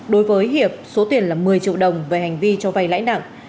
đối với hiệp số tiền là một mươi triệu đồng về hành vi cho vay lãi nặng